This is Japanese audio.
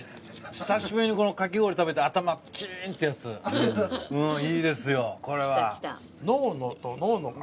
久しぶりにこのかき氷食べて頭キーンってやつうんいいですよこれは。